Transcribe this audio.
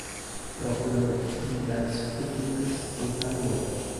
Procurando oportunidades futuras em Taiwan